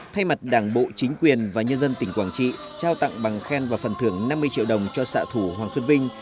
thay mặt đảng bộ chính quyền và nhân dân tỉnh quảng trị trao tặng bằng khen và phần thưởng năm mươi triệu đồng cho xã thủ hoàng xuân vinh